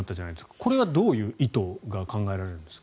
これはどういう意図が考えられるんですか？